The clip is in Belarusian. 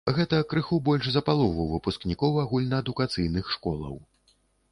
Гэта крыху больш за палову выпускнікоў агульнаадукацыйных школаў.